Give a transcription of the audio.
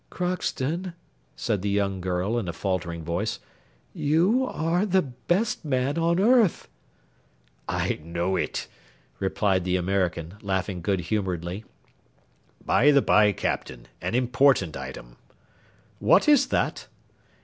"Crockston," said the young girl, in a faltering voice, "you are the best man on earth." "I know it," replied the American, laughing good humouredly. "By the by, Captain, an important item." "What is that?"